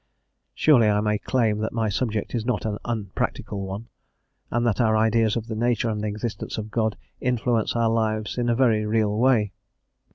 Surely I may claim that my subject is not an unpractical one, and that our ideas of the Nature and Existence of God influence our lives in a very real way.